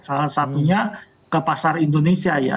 salah satunya ke pasar indonesia ya